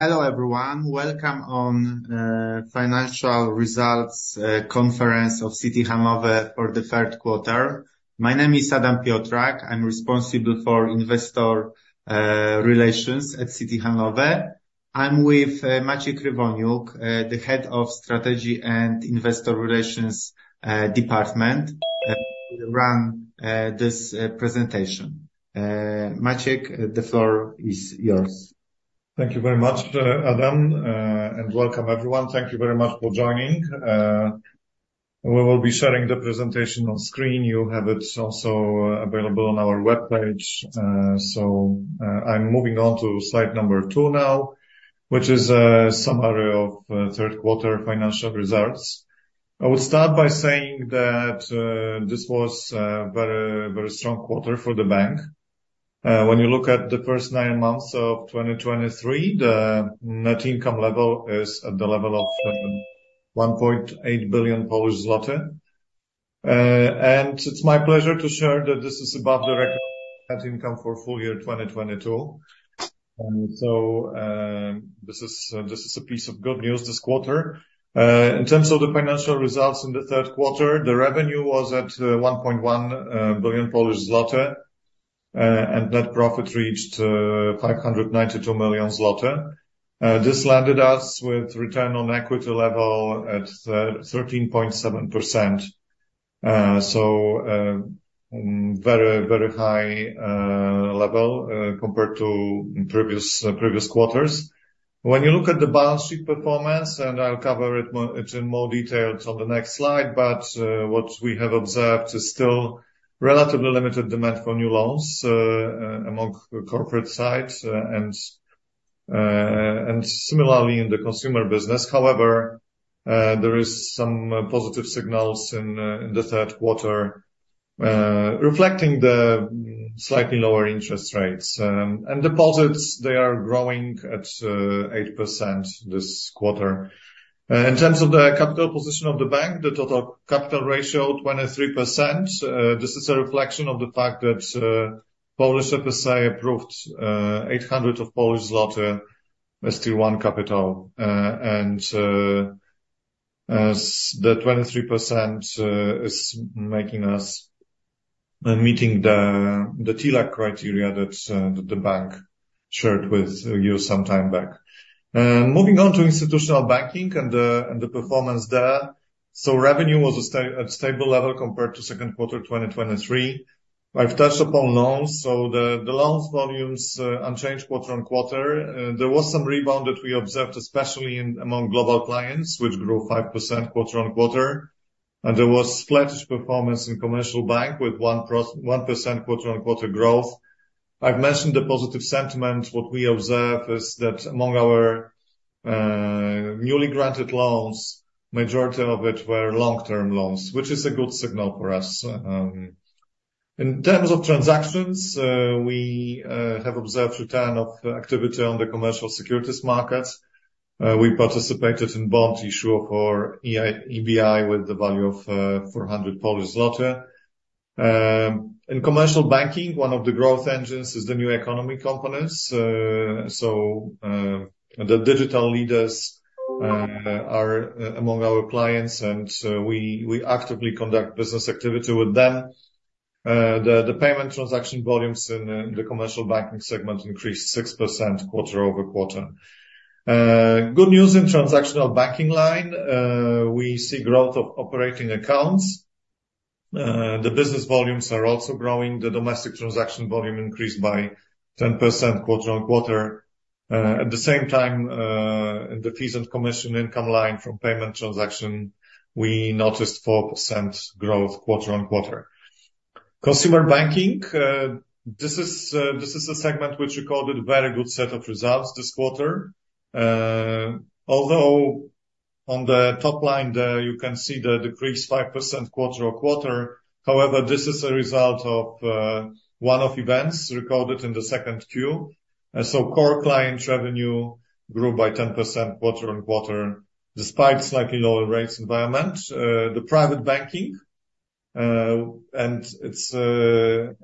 Hello, everyone. Welcome on financial results conference of Citi Handlowy for the third quarter. My name is Adam Piotrak. I'm responsible for investor relations at Citi Handlowy. I'm with Maciej Krywoniuk, the Head of Strategy and Investor Relations Department. Run this presentation. Maciej, the floor is yours. Thank you very much, Adam, and welcome, everyone. Thank you very much for joining. We will be sharing the presentation on screen. You have it also available on our web page. So, I'm moving on to slide number two now, which is a summary of third quarter financial results. I will start by saying that this was very, very strong quarter for the bank. When you look at the first nine months of 2023, the net income level is at the level of 1.8 billion Polish zloty. And it's my pleasure to share that this is above the record net income for full year 2022. And so, this is a piece of good news this quarter. In terms of the financial results in the third quarter, the revenue was at 1.1 billion Polish zloty, and that profit reached 592 million zloty. This landed us with return on equity level at 13.7%. So, very, very high level compared to previous, previous quarters. When you look at the balance sheet performance, and I'll cover it more in more details on the next slide, but what we have observed is still relatively limited demand for new loans among the corporate sides, and similarly in the consumer business. However, there is some positive signals in the third quarter reflecting the slightly lower interest rates. And deposits, they are growing at 8% this quarter. In terms of the capital position of the bank, the total capital ratio 23%. This is a reflection of the fact that Polish FSA approved 800 million Polish zloty as Tier 1 capital. And as the 23% is making us meet the TLAC criteria that the bank shared with you some time back. Moving on to institutional banking and the performance there. So revenue was at stable level compared to second quarter 2023. I've touched upon loans, so the loans volumes unchanged quarter-over-quarter. There was some rebound that we observed, especially among global clients, which grew 5% quarter-over-quarter. And there was sluggish performance in commercial bank with 1% quarter-over-quarter growth. I've mentioned the positive sentiment. What we observe is that among our newly granted loans, majority of which were long-term loans, which is a good signal for us. In terms of transactions, we have observed return of activity on the commercial securities markets. We participated in bond issue for EIB with the value of 400 Polish zloty. In commercial banking, one of the growth engines is the new economy components. So, the digital leaders are among our clients, and so we actively conduct business activity with them. The payment transaction volumes in the commercial banking segment increased 6% quarter-over-quarter. Good news in transactional banking line, we see growth of operating accounts. The business volumes are also growing. The domestic transaction volume increased by 10% quarter-over-quarter. At the same time, in the fees and commission income line from payment transaction, we noticed 4% growth quarter-on-quarter. Consumer banking, this is a segment which recorded very good set of results this quarter. Although on the top line there, you can see the decrease, 5% quarter-on-quarter. However, this is a result of one-off events recorded in the second Q. So core client revenue grew by 10% quarter-on-quarter, despite slightly lower rates environment. The private banking, and it's a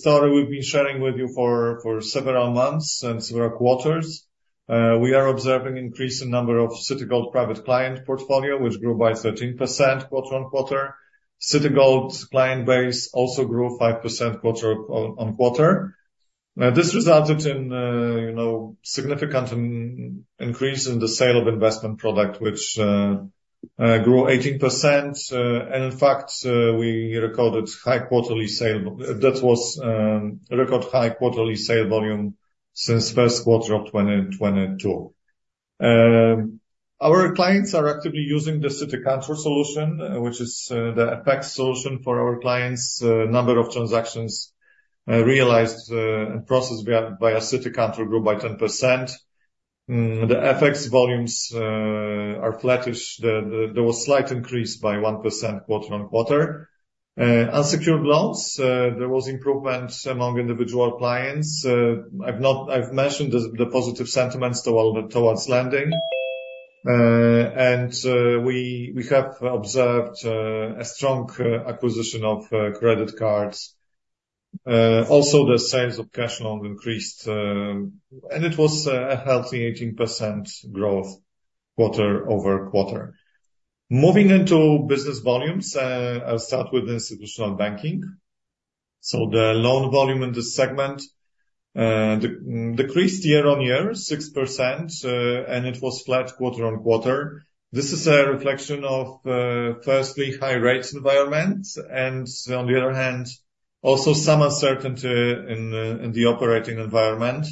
story we've been sharing with you for several months and several quarters. We are observing increase in number of Citigold Private Client portfolio, which grew by 13% quarter-on-quarter. Citigold's client base also grew 5% quarter-on-quarter. Now, this resulted in, you know, significant increase in the sale of investment product, which grew 18%. And in fact, we recorded high quarterly sale. That was record high quarterly sale volume since first quarter of 2022. Our clients are actively using the Citi Kantor Solution, which is the FX solution for our clients. Number of transactions realized and processed by our Citi Kantor grew by 10%. The FX volumes are flattish. There was slight increase by 1% quarter-on-quarter. Unsecured loans, there was improvement among individual clients. I've mentioned the positive sentiments toward lending. And we have observed a strong acquisition of credit cards. Also the sales of cash loan increased, and it was a healthy 18% growth quarter-over-quarter. Moving into business volumes, I'll start with institutional banking. So the loan volume in this segment decreased year-on-year 6%, and it was flat quarter-on-quarter. This is a reflection of, firstly, high rates environment, and on the other hand, also some uncertainty in the operating environment.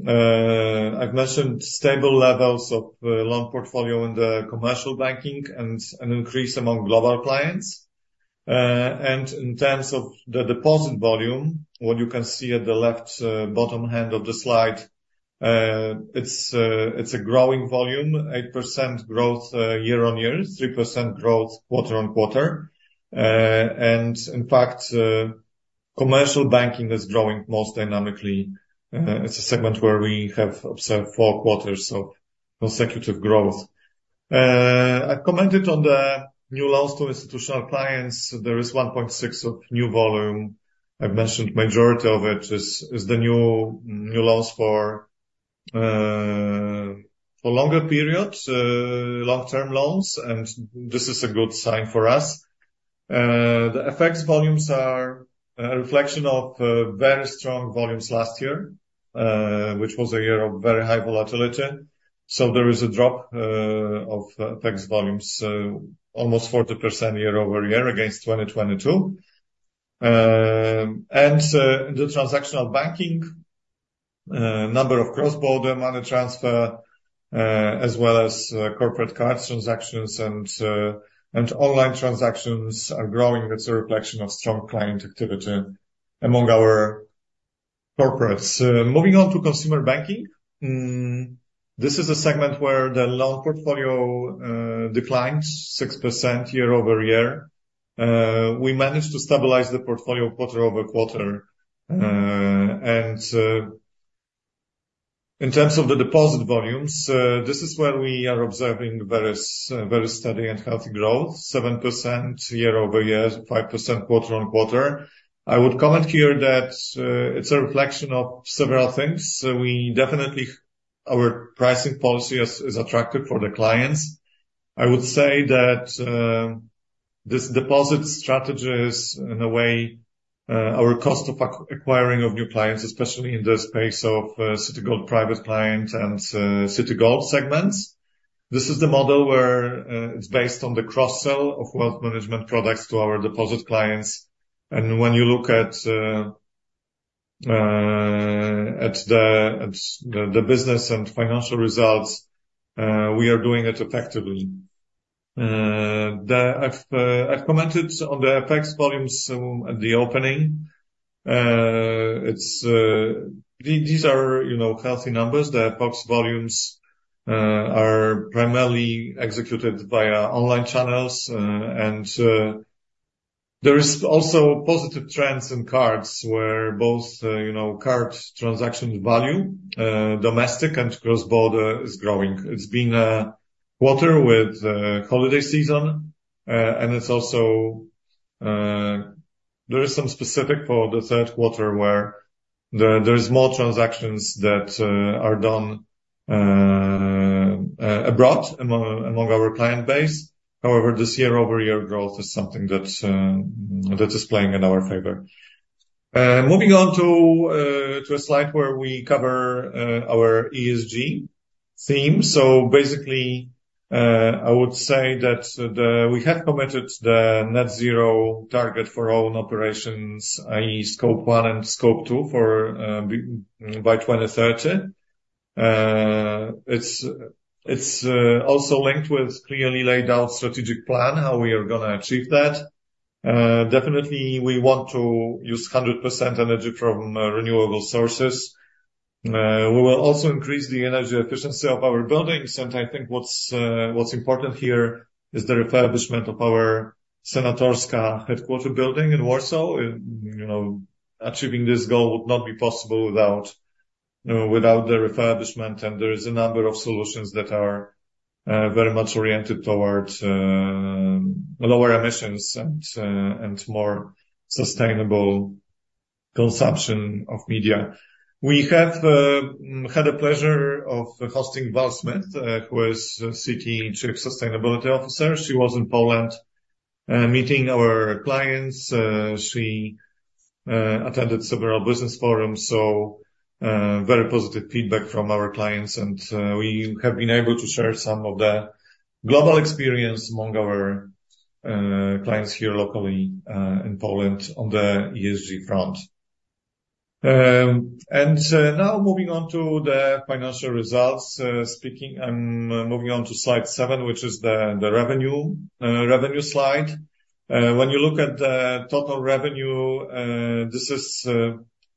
I've mentioned stable levels of loan portfolio in the commercial banking and an increase among global clients. And in terms of the deposit volume, what you can see at the left bottom hand of the slide, it's a growing volume, 8% growth year-on-year, 3% growth quarter-on-quarter. And in fact, commercial banking is growing most dynamically. It's a segment where we have observed four quarters of consecutive growth. I commented on the new loans to institutional clients. There is 1.6 of new volume. I've mentioned majority of it is the new loans for longer periods, long-term loans, and this is a good sign for us. The FX volumes are a reflection of very strong volumes last year, which was a year of very high volatility. So there is a drop of FX volumes almost 40% year-over-year against 2022. The transactional banking number of cross-border money transfer as well as corporate cards transactions and online transactions are growing. It's a reflection of strong client activity among our corporates. Moving on to consumer banking. This is a segment where the loan portfolio declines 6% year-over-year. We managed to stabilize the portfolio quarter-over-quarter. And in terms of the deposit volumes, this is where we are observing very steady and healthy growth, 7% year-over-year, 5% quarter-on-quarter. I would comment here that it's a reflection of several things. We definitely... Our pricing policy is attractive for the clients. I would say that this deposit strategy is, in a way, our cost of acquiring new clients, especially in the space of Citigold Private Client and Citigold segments. This is the model where it's based on the cross-sell of wealth management products to our deposit clients. When you look at the business and financial results, we are doing it effectively. I've commented on the FX volumes at the opening. It's these are, you know, healthy numbers. The FX volumes are primarily executed via online channels, and there is also positive trends in cards, where both, you know, cards transactions value, domestic and cross-border, is growing. It's been a quarter with holiday season, and it's also there is some specific for the third quarter, where there is more transactions that are done abroad among our client base. However, this year-over-year growth is something that is playing in our favor. Moving on to a slide where we cover our ESG theme. Basically, I would say that. We have committed the net zero target for own operations, i.e., Scope 1 and Scope 2, for by 2030. It's also linked with clearly laid out strategic plan, how we are gonna achieve that. Definitely, we want to use 100% energy from renewable sources. We will also increase the energy efficiency of our buildings, and I think what's important here is the refurbishment of our Senatorska headquarters building in Warsaw. You know, achieving this goal would not be possible without the refurbishment, and there is a number of solutions that are very much oriented towards lower emissions and more sustainable consumption of media. We have had the pleasure of hosting Val Smith, who is Citi's Chief Sustainability Officer. She was in Poland, meeting our clients. She attended several business forums, so very positive feedback from our clients, and we have been able to share some of the global experience among our clients here locally in Poland on the ESG front. Now moving on to the financial results. Moving on to slide seven, which is the revenue slide. When you look at the total revenue, this is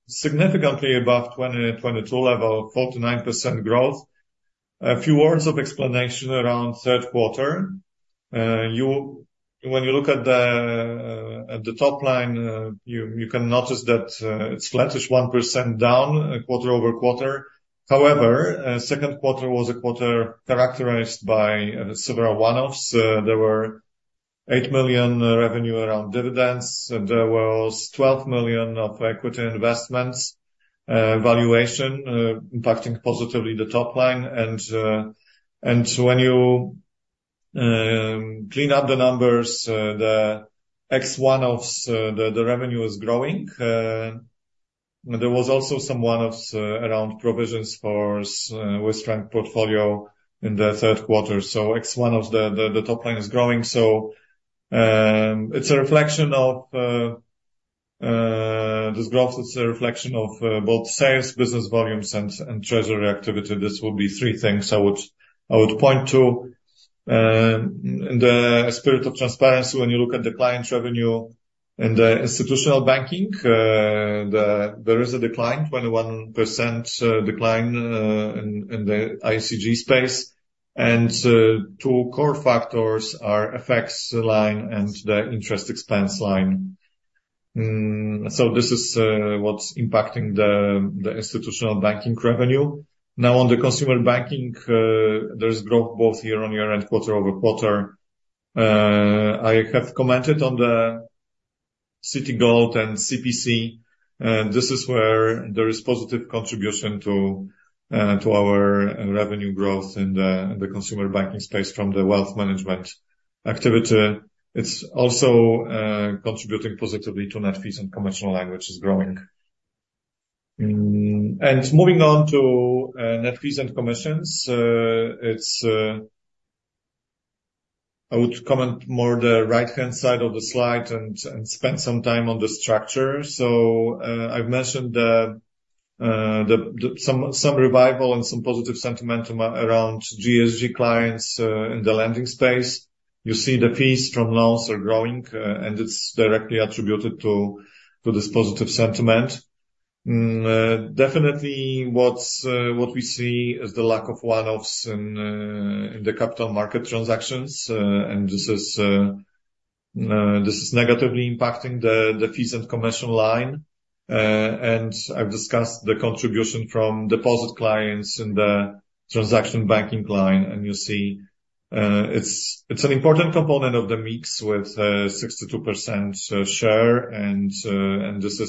significantly above 2022 level, 49% growth. A few words of explanation around third quarter. When you look at the top line, you can notice that it's slightly, 1% down quarter-over-quarter. However, second quarter was a quarter characterized by several one-offs. There were 8 million revenue around dividends, and there was 12 million of equity investments, valuation, impacting positively the top line. When you clean up the numbers, the ex one-offs, the revenue is growing. There was also some one-offs around provisions for [CHF] with strength portfolio in the third quarter. So ex one-offs, the top line is growing. It's a reflection of this growth is a reflection of both sales, business volumes, and treasury activity. This will be three things I would point to. In the spirit of transparency, when you look at the client's revenue in the institutional banking, there is a decline, 21% decline, in the ICG space. Two core factors are FX line and the interest expense line. So this is what's impacting the institutional banking revenue. Now, on the consumer banking, there's growth both year-over-year and quarter-over-quarter. I have commented on the Citigold and CPC, and this is where there is positive contribution to our revenue growth in the consumer banking space from the wealth management activity. It's also contributing positively to net fees and commissions line, which is growing. Moving on to net fees and commissions, it's. I would comment more on the right-hand side of the slide and spend some time on the structure. So, I've mentioned some revival and some positive sentiment around GSG clients in the lending space. You see the fees from loans are growing, and it's directly attributed to this positive sentiment. Definitely, what we see is the lack of one-offs in the capital market transactions, and this is negatively impacting the fees and commercial line. And I've discussed the contribution from deposit clients in the transaction banking line, and you see, it's an important component of the mix with 62% share. And this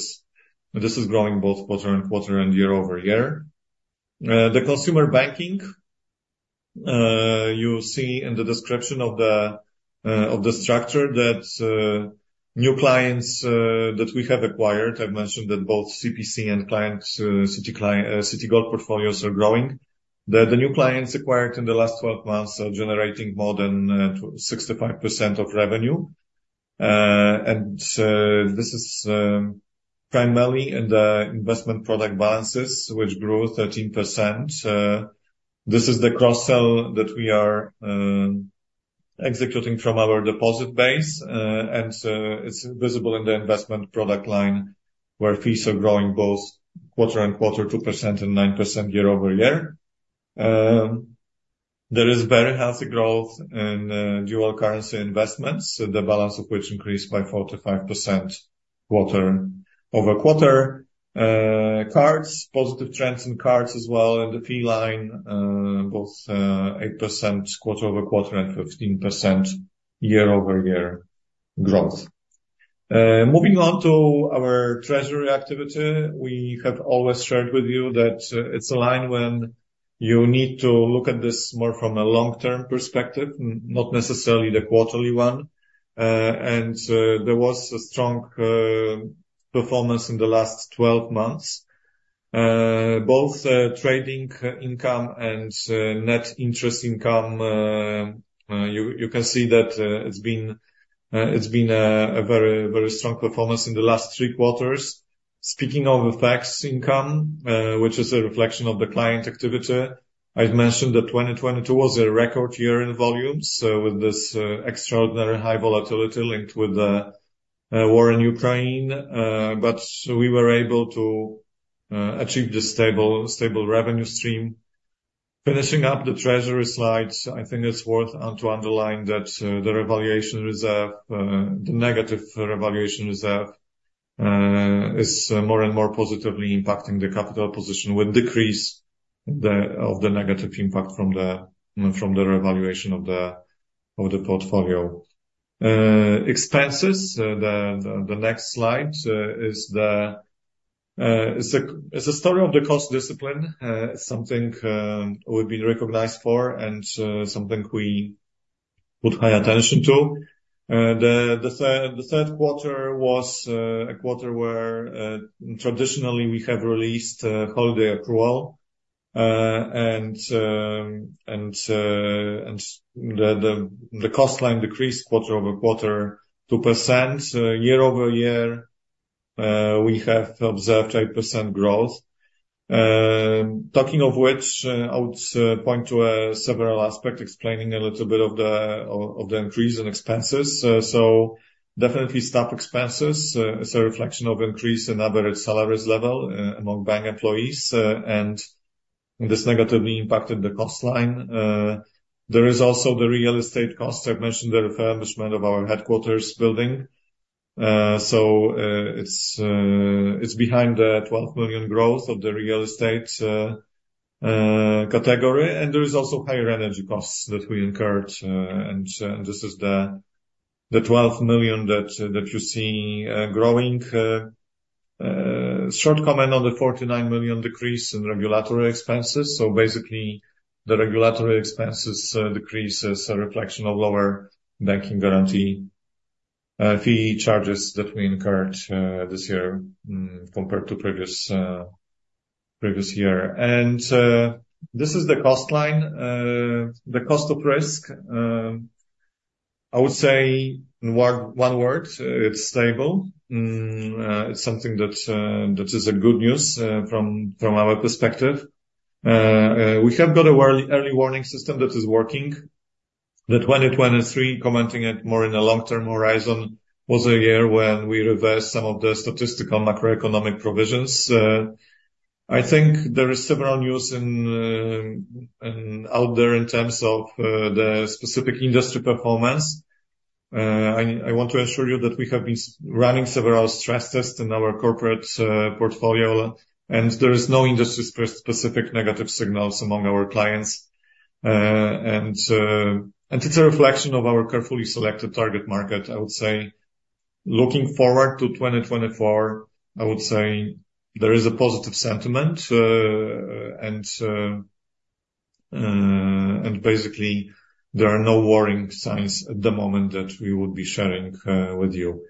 is growing both quarter-over-quarter and year-over-year. The consumer banking, you see in the description of the structure, that new clients that we have acquired, I've mentioned that both CPC and Citigold clients portfolios are growing. The new clients acquired in the last 12 months are generating more than 65% of revenue. This is primarily in the investment product balances, which grew 13%. This is the cross-sell that we are executing from our deposit base, and it's visible in the investment product line, where fees are growing both quarter and quarter 2% and 9% year-over-year. There is very healthy growth in dual currency investments, the balance of which increased by 45% quarter-over-quarter. Cards, positive trends in cards as well, in the fee line, both 8% quarter-over-quarter and 15% year-over-year growth. Moving on to our treasury activity. We have always shared with you that it's a line when you need to look at this more from a long-term perspective, not necessarily the quarterly one. There was a strong performance in the last 12 months. Both trading income and net interest income, you can see that it's been a very, very strong performance in the last three quarters. Speaking of FX income, which is a reflection of the client activity, I've mentioned that 2022 was a record year in volumes, with this extraordinary high volatility linked with the war in Ukraine. But we were able to achieve this stable revenue stream. Finishing up the treasury slides, I think it's worth to underline that the revaluation reserve, the negative revaluation reserve, is more and more positively impacting the capital position, with decrease of the negative impact from the revaluation of the portfolio. Expenses, the next slide is a story of the cost discipline, something we've been recognized for and something we put high attention to. The third quarter was a quarter where traditionally we have released holiday accrual. And the cost line decreased quarter-over-quarter, 2%. Year-over-year, we have observed 8% growth. Talking of which, I would point to several aspects explaining a little bit of the increase in expenses. So definitely staff expenses is a reflection of increase in average salaries level among bank employees, and this negatively impacted the cost line. There is also the real estate cost. I've mentioned the refurbishment of our headquarters building. So, it's behind the 12 million growth of the real estate category, and there is also higher energy costs that we incurred. And this is the twelve million that you see growing. Short comment on the 49 million decrease in regulatory expenses. Basically, the regulatory expenses decrease is a reflection of lower banking guarantee fee charges that we incurred this year compared to previous year. This is the cost line. The cost of risk, I would say in one word, it's stable. It's something that that is a good news from our perspective. We have got a early warning system that is working. The 2023, commenting it more in a long-term horizon, was a year when we reversed some of the statistical macroeconomic provisions. I think there is several news in and out there in terms of the specific industry performance. I want to assure you that we have been running several stress tests in our corporate portfolio, and there is no industry specific negative signals among our clients. And it's a reflection of our carefully selected target market, I would say. Looking forward to 2024, I would say there is a positive sentiment, and basically, there are no worrying signs at the moment that we would be sharing with you.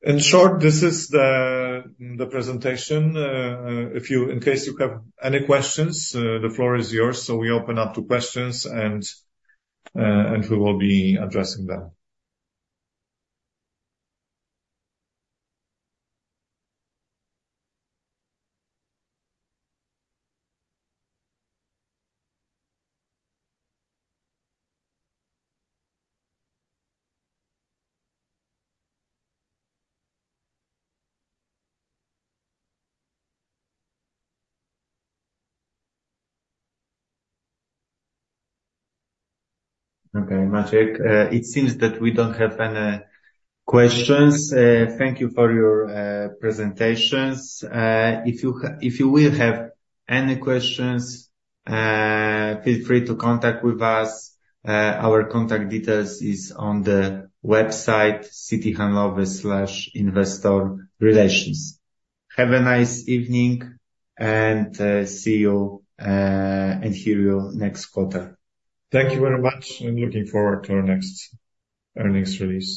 In short, this is the presentation. In case you have any questions, the floor is yours. So we open up to questions, and we will be addressing them. Okay, Maciej, it seems that we don't have any questions. Thank you for your presentations. If you will have any questions, feel free to contact with us. Our contact details is on the website, CitiHandlowy/investorrelations. Have a nice evening, and see you, and hear you next quarter. Thank you very much, and looking forward to our next earnings release.